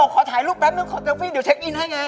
ขอถ่ายรูปแป๊บนึงเดี๋ยวเช็คอินให้ไง